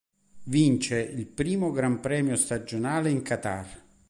Vince il primo Gran Premio stagionale in Qatar.